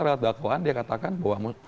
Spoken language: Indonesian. surat dakwaan dia katakan bahwa